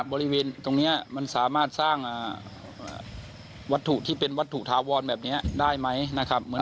บริเวณตรงนี้มันสามารถสร้างวัตถุที่เป็นวัตถุทาวรแบบนี้ได้ไหมนะครับ